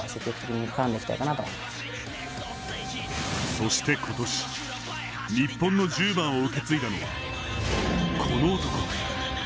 そして今年、日本の１０番を受け継いだのは、この男。